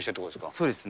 そうですね。